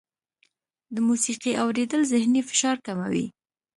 د موسیقۍ اورېدل ذهني فشار کموي.